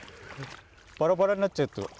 バラバラになっちゃうと。